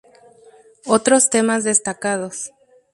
Otros temas destacados